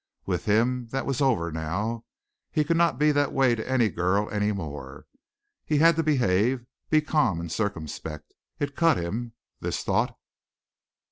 With him that was over now. He could not be that way to any girl any more. He had to behave be calm and circumspect. It cut him, this thought.